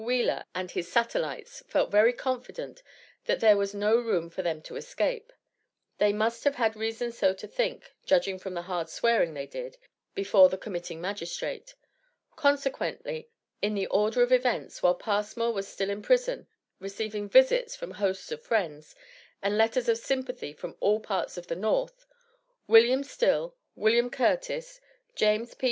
Wheeler and his satellites felt very confident that there was no room for them to escape. They must have had reason so to think, judging from the hard swearing they did, before the committing magistrate. Consequently, in the order of events, while Passmore was still in prison, receiving visits from hosts of friends, and letters of sympathy from all parts of the North, William Still, William Curtis, James P.